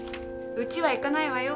うちは行かないわよ。